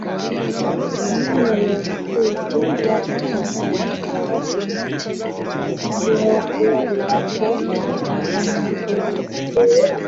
Nnyonnyola obutuufu bwa kino n’ebyokulabirako okuva mu lugero.